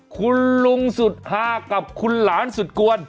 คุณลุงสุดฮากับคุณหลานสุดกวน